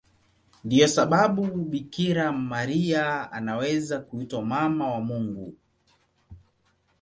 Ndiyo sababu Bikira Maria anaweza kuitwa Mama wa Mungu.